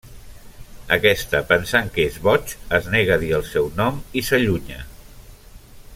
Aquesta, pensant que és boig, es nega a dir el seu nom i s'allunya.